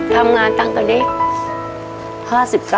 ทำงานตั้งแต่นี้